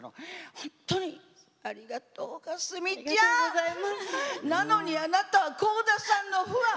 本当にありがとう、佳純ちゃん！なのに、あなたは倖田さんのファン！